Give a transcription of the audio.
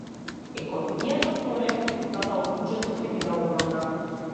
Економијата тоне, дупката во буџетот ќе биде огромна